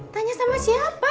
tanya sama siapa